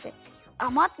あっまって！